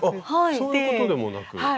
あっそういうことでもなく。